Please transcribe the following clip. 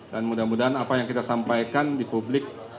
dan mudah mudahan apa yang kita sampaikan di publik